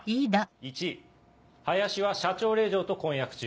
１林は社長令嬢と婚約中。